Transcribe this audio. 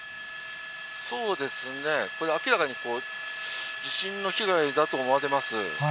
そうですね、明らかに地震の被害だと思われます。